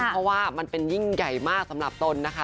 เพราะว่ามันเป็นยิ่งใหญ่มากสำหรับตนนะคะ